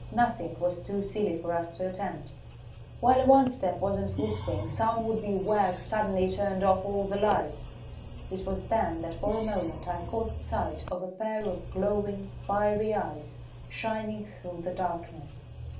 Nothing was too silly for us to attempt. While a one step was in full swing some would be wag suddenly turned off all the lights. It was then that for a moment I caught sight of a pair of glowing, fiery eyes shining through the darkness.